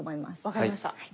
分かりました。